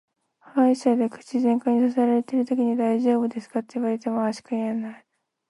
歯医者で口全開にさせられてるときに「大丈夫ですか」って言われもも「あー」しか言えない。